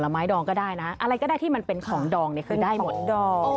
ไม้ดองก็ได้นะอะไรก็ได้ที่มันเป็นของดองเนี่ยคือได้หมดดอง